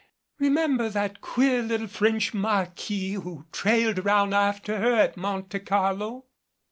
Remember that queer little French marquis who trailed around after her at Monte Carlo